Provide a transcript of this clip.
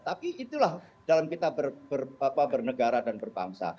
tapi itulah dalam kita bernegara dan berbangsa